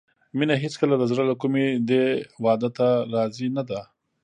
مينه هېڅکله د زړه له کومې دې واده ته راضي نه ده